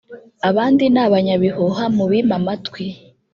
Abandi ni abanyabihuha mu bime amatwi